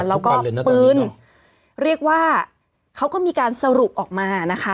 แล้วก็ปืนเรียกว่าเขาก็มีการสรุปออกมานะคะ